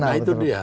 nah itu dia